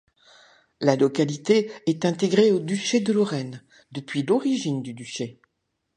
La localité est intégrée au duché de lorraine, depuis l’origine du duché.